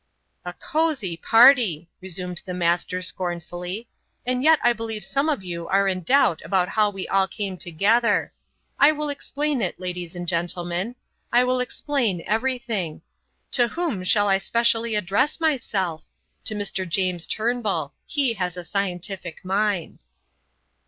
"A cosy party," resumed the Master, scornfully, "and yet I believe some of you are in doubt about how we all came together. I will explain it, ladies and gentlemen; I will explain everything. To whom shall I specially address myself? To Mr. James Turnbull. He has a scientific mind."